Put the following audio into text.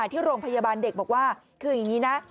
ที่โรงพยาบาลเด็กบอกว่าคืออย่างนี้นะ